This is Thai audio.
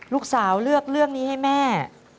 ลูกสาวเลือกเรื่องนี้ให้แม่